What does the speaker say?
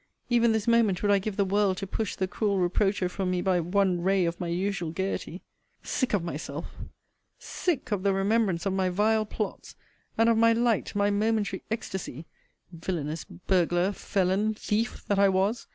Even this moment would I give the world to push the cruel reproacher from me by one ray of my usual gayety! Sick of myself! sick of the remembrance of my vile plots; and of my light, my momentary ecstacy [villanous burglar, felon, thief, that I was!